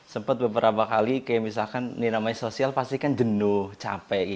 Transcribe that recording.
sempat beberapa kali misalkan ini namanya sosial pasti kan jenduh capek gitu mas